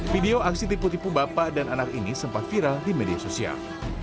video aksi tipu tipu bapak dan anak ini sempat viral di media sosial